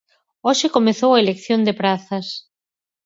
Hoxe comezou a elección de prazas.